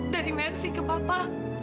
dari mersi ke papa